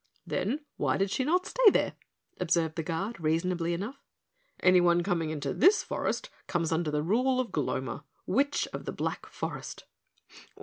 "Then why did she not stay there?" observed the Guard reasonably enough. "Anyone coming into this forest comes under the rule of Gloma, Witch of the Black Forest."